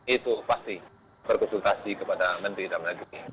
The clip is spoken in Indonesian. itu pasti berkonsultasi kepada menteri dalam negeri